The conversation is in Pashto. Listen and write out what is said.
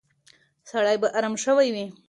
سړی به ارام شوی وي.